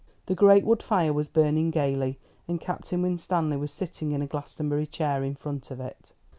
The great wood fire was burning gaily, and Captain Winstanley was sitting in a Glastonbury chair in front of it.